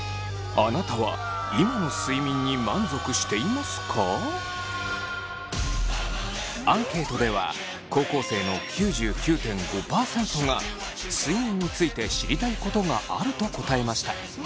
あなたはアンケートでは高校生の９９．５％が睡眠について知りたいことがあると答えました。